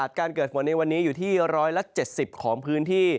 โอกาสการเกิดฝนในวันนี้อยู่ที่๑๗๐องศาเซียดของพื้นที่และตกหนักบางพื้นที่นะครับ